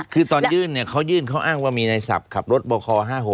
คือตอนยื่นเนี่ยเขายื่นเขาอ้างว่ามีในศัพท์ขับรถบค๕๖